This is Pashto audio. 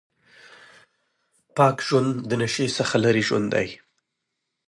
پاک ژوند د نشې څخه لرې ژوند دی.